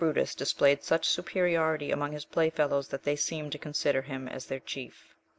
R. He displayed such superiority among his play fellows, that they seemed to consider him as their chief.